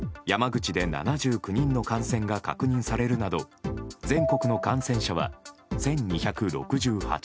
山口で７９人の感染が確認されるなど全国の感染者は１２６８人。